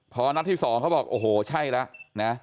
พอนัดที่๒เขาบอกโอ้โหใช่แล้วนะ